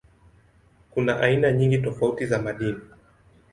Kuna aina nyingi tofauti za madini.